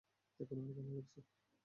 এখন আরো ভালো লাগছে।